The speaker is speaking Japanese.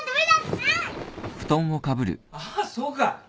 ああそうか。